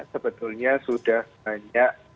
sebetulnya sudah banyak